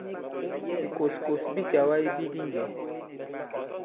Bìkòskòs bi càwa ibi di njɛ̌.